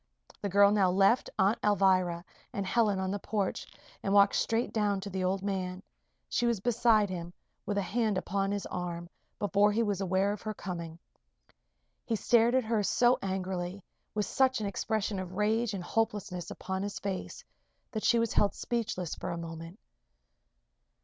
The girl now left Aunt Alvirah and Helen on the porch and walked straight down to the old man. She was beside him, with a hand upon his arm, before he was aware of her coming. He stared at her so angrily with such an expression of rage and hopelessness upon his face that she was held speechless for a moment.